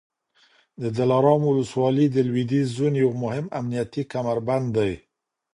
د دلارام ولسوالي د لوېدیځ زون یو مهم امنیتي کمربند دی